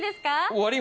終わり？